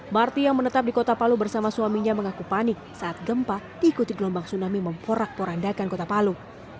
marti yang menetap di kota palu bersama suaminya mengaku panik saat gempa diikuti gelombang tsunami memporak porandakan kota palu